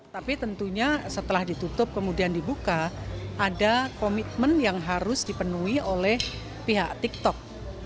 tapi tentunya setelah ditutup kemudian dibuka ada komitmen yang harus dipenuhi oleh pihak tiktok